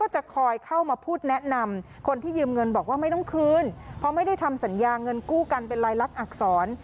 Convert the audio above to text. จะคอยเข้ามาพูดแนะนำคนที่ยืมเงินบอกว่าไม่ต้องคืนเพราะไม่ได้ทำสัญญาเงินกู้กันเป็นลายลักษณอักษร